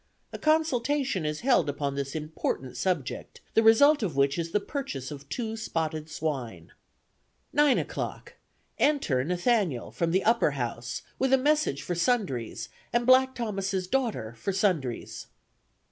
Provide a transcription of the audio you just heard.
A consultation is held upon this important subject, the result of which is the purchase of two spotted swine. "Nine o'clock. Enter Nathaniel, from the upper house, with a message for sundries; and black Thomas's daughter, for sundries.